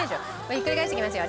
ひっくり返していきますよ。